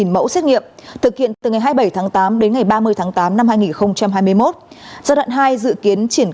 mẫu xét nghiệm thực hiện từ ngày hai mươi bảy tháng tám đến ngày ba mươi tháng tám năm hai nghìn hai mươi một giai đoạn hai dự kiến triển